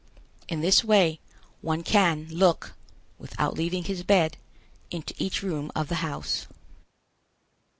In this way one can look, without leaving his bed, into each room of the house.